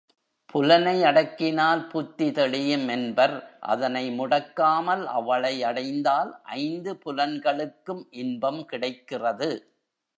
புலனை அடக்கினால் புத்தி தெளியும் என்பர் அதனை முடக்காமல் அவளை அடைந்தால் ஐந்து புலன்களுக்கும் இன்பம் கிடைக்கிறது.